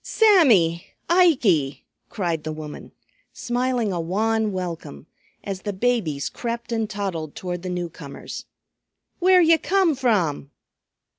"Sammy! Ikey!" cried the woman, smiling a wan welcome, as the babies crept and toddled toward the newcomers. "Where ye come from?"